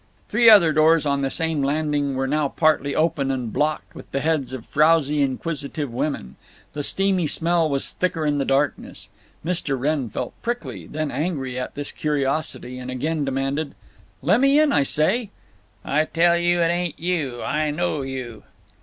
Three other doors on the same landing were now partly open and blocked with the heads of frowsy inquisitive women. The steamy smell was thicker in the darkness. Mr. Wrenn felt prickly, then angry at this curiosity, and again demanded: "Lemme in, I say." "Tell you it ain't you. I know you!"